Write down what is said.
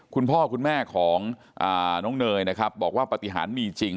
คุณพ่อคุณแม่ของน้องเนยนะครับบอกว่าปฏิหารมีจริง